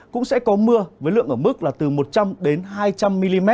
cũng sẽ có mưa với lượng ở mức là từ một trăm linh hai trăm linh mm